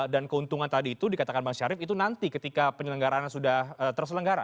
dan keuntungan tadi itu dikatakan bang syarif itu nanti ketika penyelenggaraan sudah terselenggara